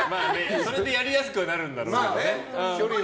それでやりやすくはなるんだろうね。